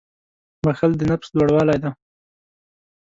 • بښل د نفس لوړوالی دی.